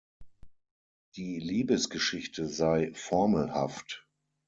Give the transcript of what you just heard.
Die Liebesgeschichte sei „formelhaft“.